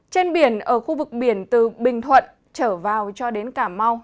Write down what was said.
trên biển ở khu vực biển từ bình thuận trở vào cho đến cà mau